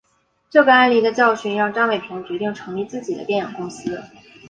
这个案例的教训让张伟平决定成立自己的电影公司。